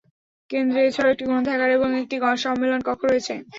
কেন্দ্রে এছাড়াও একটি গ্রন্থাগার এবং একটি সম্মেলন কক্ষ রয়েছে।